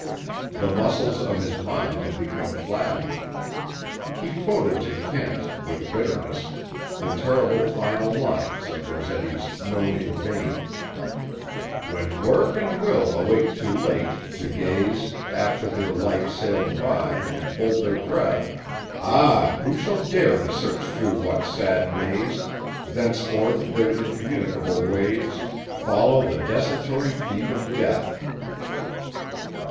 The muscles of his mind had become flabby. He quoted to Kent, with bitterness, the terrible final lines of Rossetti's Known in Vain: "When Work and Will awake too late, to gaze After their life sailed by, and hold their breath, Ah! who shall dare to search through what sad maze Thenceforth their incommunicable ways Follow the desultory feet of Death?"